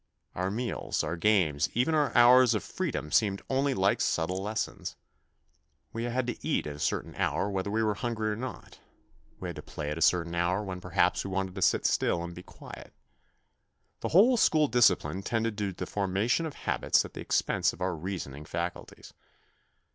Our meals, our games, even our hours of freedom seemed only like subtle lessons. We had to eat at a certain hour whether we were hungry or not, we had to play at a certain hour when perhaps we wanted to sit still and be quiet. The whole school discipline tended to the forma tion of habits at the expense of our reasoning faculties.